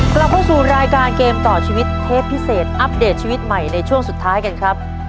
กลับเข้าสู่รายการเกมต่อชีวิตเทปพิเศษอัปเดตชีวิตใหม่ในช่วงสุดท้ายกันครับ